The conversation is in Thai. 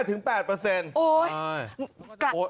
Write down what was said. ขึ้นเยอะไหมครับ๕๘